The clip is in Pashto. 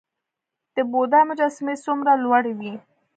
د بودا مجسمې څومره لوړې وې؟